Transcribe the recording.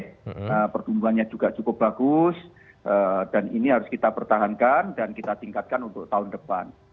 nah pertumbuhannya juga cukup bagus dan ini harus kita pertahankan dan kita tingkatkan untuk tahun depan